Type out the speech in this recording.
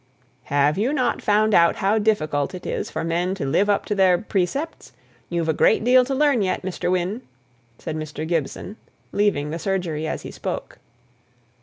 "Have you not found out how difficult it is for men to live up to their precepts? You've a great deal to learn yet, Mr. Wynne!" said Mr. Gibson, leaving the surgery as he spoke.